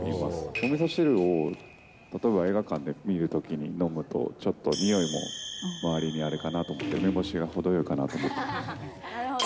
おみそ汁を例えば映画館で見るときに飲むと、ちょっとにおいも周りにあれかなと思って、梅干しが程よいかなと思って。